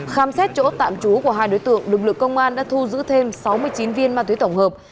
khám xét chỗ tạm trú của hai đối tượng lực lượng công an đã thu giữ thêm sáu mươi chín viên ma túy tổng hợp